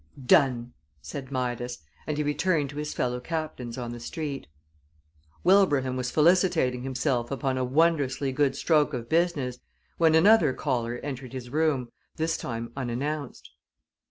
"Done!" said Midas, and he returned to his fellow captains on the Street. Wilbraham was felicitating himself upon a wondrously good stroke of business, when another caller entered his room, this time unannounced.